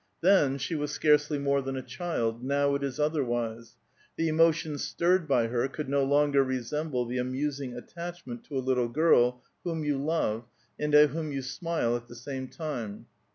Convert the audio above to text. Then she was scarcely more than a child ; now it is otherwise. The emotion stiiTcd by her could no longer resemble the amusing attachment to a little girl whom you love, and at whom you smile at the same time.